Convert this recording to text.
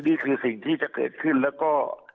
นี่คือสิ่งที่จะเกิดขึ้นแล้วก็